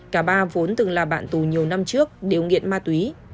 cả ba vốn từng là bạn tù nhiều năm trước đều nghiện ma túy